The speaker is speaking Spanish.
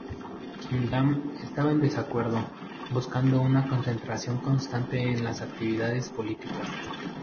Hyndman estaba en desacuerdo, buscando una concentración constante en las actividades políticas.